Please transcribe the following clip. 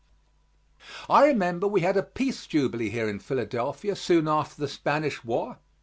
I remember we had a Peace Jubilee here in Philadelphia soon after the Spanish war.